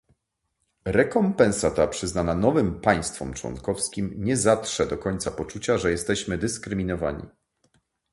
Rekompensata przyznana nowym państwom członkowskim nie zatrze do końca poczucia, że jesteśmy dyskryminowani